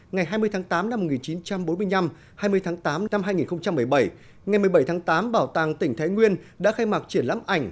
ngày hai mươi tháng tám năm một nghìn chín trăm bốn mươi năm hai mươi tháng tám năm hai nghìn một mươi bảy ngày một mươi bảy tháng tám bảo tàng tỉnh thái nguyên đã khai mạc triển lãm ảnh